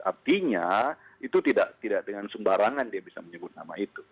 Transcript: artinya itu tidak dengan sembarangan dia bisa menyebut nama itu